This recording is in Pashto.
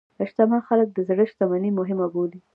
شتمن خلک د زړه شتمني مهمه بولي.